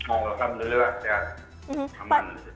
oh sehat aman